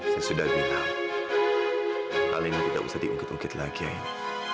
saya sudah bilang alina tidak bisa diunggah unggah lagi aina